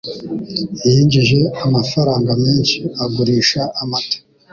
Yinjije amafaranga menshi agurisha amata.